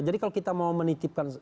jadi kalau kita mau menitipkan